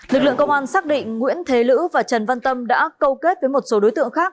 lực lượng công an xác định nguyễn thế lữ và trần văn tâm đã câu kết với một số đối tượng khác